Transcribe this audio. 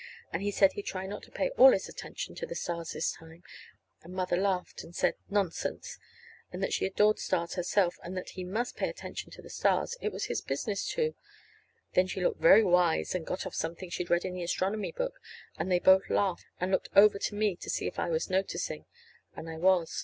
And he said he'd try not to pay all his attention to the stars this time; and Mother laughed and said, "Nonsense," and that she adored stars herself, and that he must pay attention to the stars. It was his business to. Then she looked very wise and got off something she'd read in the astronomy book. And they both laughed, and looked over to me to see if I was noticing. And I was.